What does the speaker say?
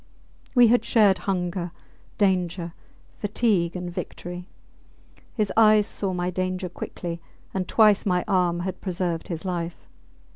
We had shared hunger, danger, fatigue, and victory. His eyes saw my danger quickly, and twice my arm had preserved his life.